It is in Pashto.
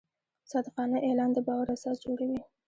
صادقانه اعلان د باور اساس جوړوي.